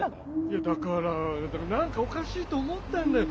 いやだから何かおかしいと思ったんだよ